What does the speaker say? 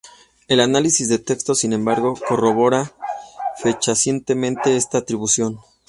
El análisis del texto, sin embargo, corrobora fehacientemente esta atribución.